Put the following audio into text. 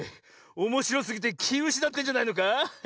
おもしろすぎてきうしなってんじゃないのか？